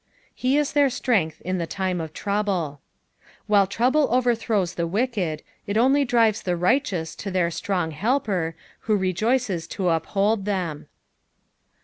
'• Bs ie their tlrength in the time of trouble." While trouble overthrows tbe wicked, it only drives tbe righteous to their strong Helper, who rejoices to uphold them.